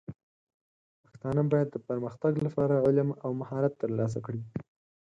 پښتانه بايد د پرمختګ لپاره علم او مهارت ترلاسه کړي.